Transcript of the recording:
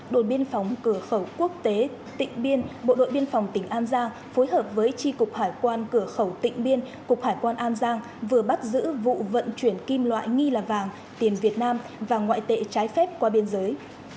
đội biên phòng cửa khẩu quốc tế tịnh biên bộ đội biên phòng tỉnh an giang phối hợp với tri cục hải quan cửa khẩu tỉnh biên cục hải quan an giang vừa bắt giữ vụ vận chuyển kim loại nghi là vàng tiền việt nam và ngoại tệ trái phép qua biên giới